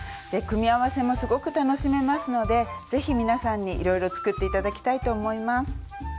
組み合わせもすごく楽しめますので是非皆さんにいろいろ作って頂きたいと思います。